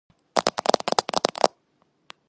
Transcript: სასახლე აშენებულია ქვით და აგურით.